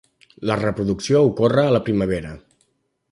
La reproducció ocorre a la primavera.